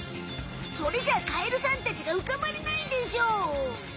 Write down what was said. それじゃあカエルさんたちがうかばれないでしょう！